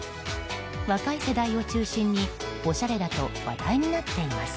若い世代を中心におしゃれだと話題になっています。